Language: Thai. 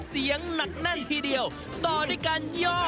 เสียงหนักแน่นทีเดียวต่อด้วยการย่อ